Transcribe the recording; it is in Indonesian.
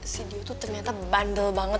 si dio tuh ternyata bandel banget